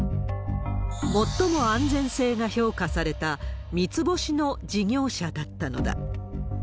最も安全性が評価された三ツ星の事業者だったのだ。